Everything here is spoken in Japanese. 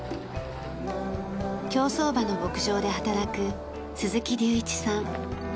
競走馬の牧場で働く鈴木隆一さん。